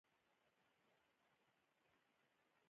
په لسیزو کې میلیونونه خلک له فقر څخه ووتل.